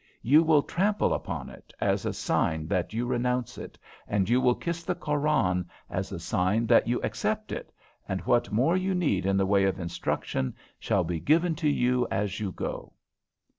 You will trample upon it, as a sign that you renounce it, and you will kiss the Koran, as a sign that you accept it, and what more you need in the way of instruction shall be given to you as you go."